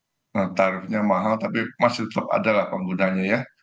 ya kalau udara kita tahu memang tarifnya mahal tapi masih tetap ada lah penggunanya ya